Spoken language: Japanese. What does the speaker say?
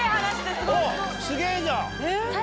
すげぇじゃん！